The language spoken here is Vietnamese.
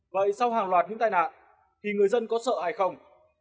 vậy sau hàng loạt những tai nạn thì người dân có sợ hay không